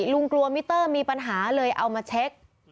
กลัวมิเตอร์มีปัญหาเลยเอามาเช็ค